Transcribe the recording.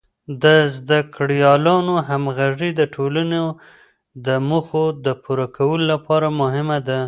د زده کړیالانو همغږي د ټولنې د موخو د پوره کولو لپاره مهمه ده.